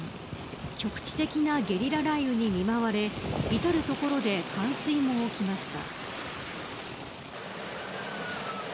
局地的なゲリラ雷雨に見舞われ至る所で冠水も起きました。